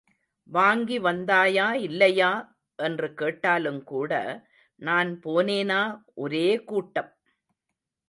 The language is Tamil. வாங்கி வந்தாயா, இல்லையா? என்று கேட்டாலுங்கூட, நான் போனேனா ஒரே கூட்டம்.